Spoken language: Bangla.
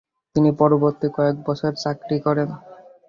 তিনি পরবর্তী কয়েক বছর চাকরি করেন।